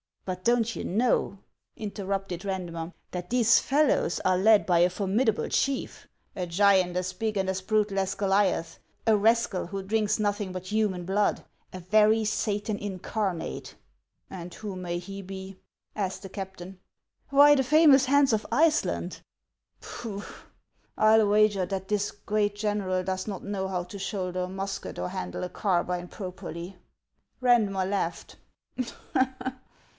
"" But don't you know," interrupted Eandmer, " that these fellows are led by a formidable chief, — a giant as big and as brutal as Goliath, a rascal who drinks nothing but human blood, a very Satan incarnate ?"" And who may he be ?" asked the captain. " Why, the famous Hans of Iceland !"" Pooh ! I '11 wager that this great general does not know how to shoulder a musket or handle a carbine properly." Eandmer laughed.